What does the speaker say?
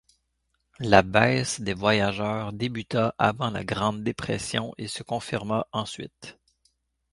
La baisse des voyageurs débuta avant la Grande Dépression et se confirma ensuite.